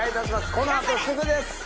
この後すぐです！